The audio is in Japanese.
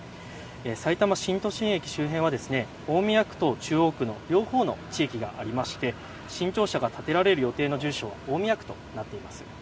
さいたま新都心駅周辺は大宮区と中央区の両方の地域がありまして新庁舎が建てられる予定の住所は大宮区となっています。